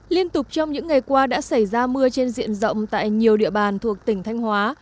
liên tục trong những ngày qua đã xảy ra mưa trên diện rộng tại nhiều địa bàn thuộc tỉnh thanh hóa